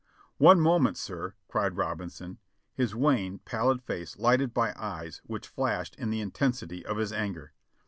"One moment, sir!" cried Robinson, his wan, pallid face lighted by eyes which flashed in the intensity of his anger.